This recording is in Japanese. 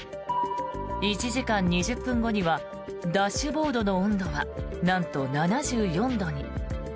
１時間２０分後にはダッシュボードの温度はなんと７４度に。